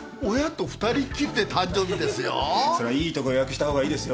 それはいいとこ予約したほうがいいですよ。